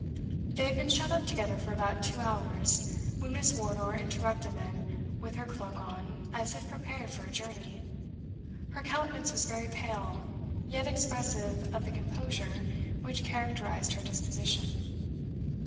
They had been shut up together for about two hours, when Miss Wardour interrupted them with her cloak on as if prepared for a journey. Her countenance was very pale, yet expressive of the composure which characterized her disposition.